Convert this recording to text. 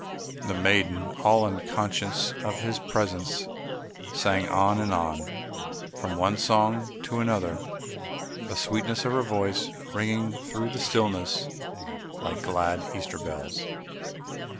The maiden, all unconscious of his presence, sang on and on, from one song to another, the sweetness of her voice ringing through the stillness like glad Easter bells.